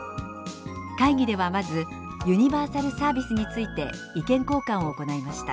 会議ではまず「ユニバーサルサービス」について意見交換を行いました。